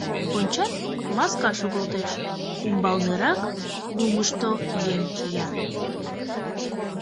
Ончат: маска шогылтеш, умбалнырак, лумышто, еҥ кия.